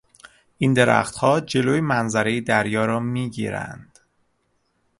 این درختها جلو منظرهی دریا را میگیرند.